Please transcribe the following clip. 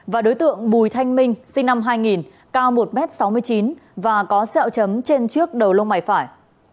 và đối tượng bùi thanh minh sinh năm hai nghìn cao một m sáu mươi chín và có sẹo chấm trên trước đầu lông mày phải